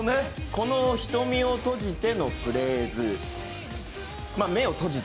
この「瞳を閉じて」のフレーズ、「目閉じて？」